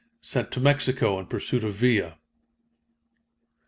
Sent to Mexico in pursuit of Villa.